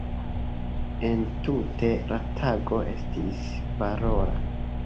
Entute la tago estis valora.